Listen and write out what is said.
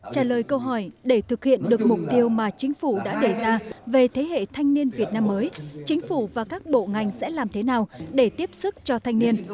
trả lời câu hỏi để thực hiện được mục tiêu mà chính phủ đã đề ra về thế hệ thanh niên việt nam mới chính phủ và các bộ ngành sẽ làm thế nào để tiếp sức cho thanh niên